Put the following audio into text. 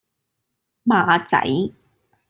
馬仔